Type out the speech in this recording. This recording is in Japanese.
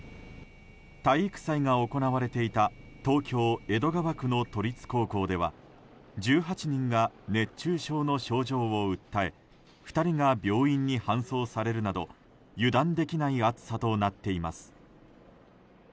体育祭が行われていた東京・江戸川区の都立高校では１８人が熱中症の症状を訴え２人が病院に搬送されるなど油断できない暑さとなっています。